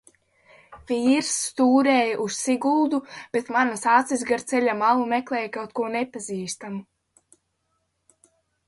Vīrs stūrēja uz Siguldu, bet manas acis gar ceļa malu meklēja kaut ko nepazīstamu.